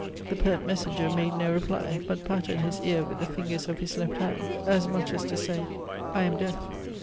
The pert messenger made no reply, but patted his ear with the fingers of his left hand, as much as to say, "I am deaf."